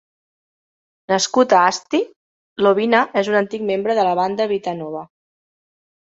Nascut a Asti, Lobina és un antic membre de la banda Vitanova.